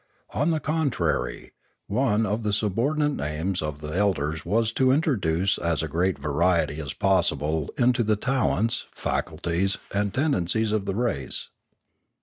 On the contrary, one of the subordinate aims of the elders was to introduce as great a variety as possible into the talents, faculties, and tendencies of the race.